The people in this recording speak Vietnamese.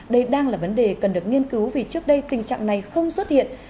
đây đang là vấn đề cần được nghiên cứu vì trước đây tình trạng này không xuất hiện